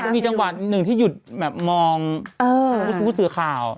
มีจังหวะหนึ่งที่หยุดแบบมองผู้สื่อข่าว